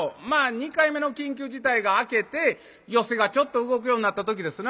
２回目の緊急事態が明けて寄席がちょっと動くようになった時ですな。